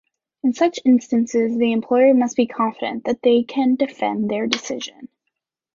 In such instances, the employer must be confident that they can defend their decision.